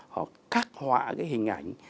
họ cắt họa cái hình ảnh